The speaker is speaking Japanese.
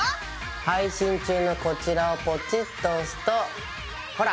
配信中のこちらをポチッと押すとほら！